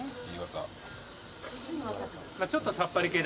ちょっとさっぱり系。